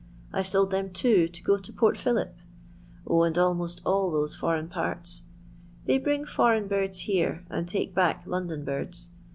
I Ve sold them, too, to go to Port Philip. 0, and almost all those foreign parU. They bring foreign birds here, and take back London birds.